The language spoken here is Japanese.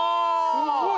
すごい。